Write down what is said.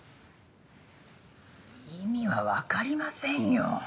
意味はわかりませんよ。